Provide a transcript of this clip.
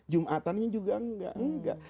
jumatannya juga enggak